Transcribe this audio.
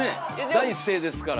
第一声ですから。